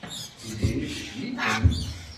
Tiziri tejjem-ikem.